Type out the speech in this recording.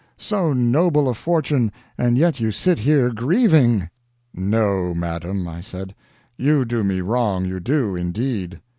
so noble a fortune, and yet you sit here grieving!" "No, madam," I said, "you do me wrong, you do, indeed.